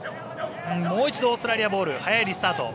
もう一度、オーストラリアボール速いリスタート。